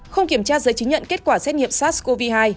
không kiểm tra giấy chứng nhận kết quả xét nghiệm sars cov hai